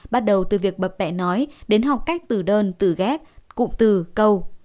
bắt đầu từ việc bập bẹ nói đến học cách từ đơn từ ghép cụm từ câu